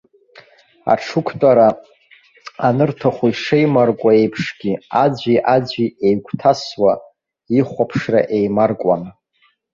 Аҽықәтәара анырҭаху ишеимаркуа еиԥшгьы, аӡәи-аӡәи еигәҭасуа, ихәаԥшра еимаркуан.